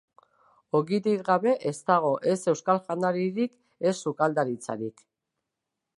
Ogirik gabe ez dago ez euskal janaririk ez sukaldaritzarik.